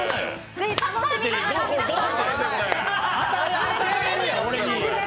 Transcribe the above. ぜひ楽しみながら皆さん。